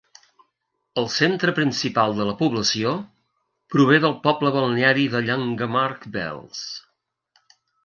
El centre principal de la població prové del poble balneari de Llangammarch Wells.